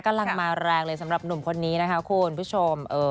กำลังมาแรงเลยสำหรับหนุ่มคนนี้นะคะคุณผู้ชม